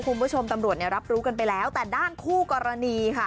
คุณผู้ชมตำรวจเนี่ยรับรู้กันไปแล้วแต่ด้านคู่กรณีค่ะ